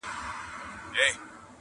ما یې په خوبونو کي سیندونه وچ لیدلي دي؛